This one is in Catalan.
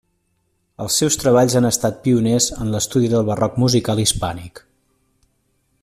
Els seus treballs han estat pioners en l'estudi del barroc musical hispànic.